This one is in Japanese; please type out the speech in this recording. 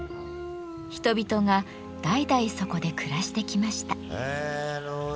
人々が代々そこで暮らしてきました。